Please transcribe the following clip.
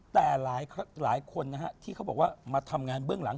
แต่หลายคนนะฮะที่เขาบอกว่ามาทำงานเบื้องหลัง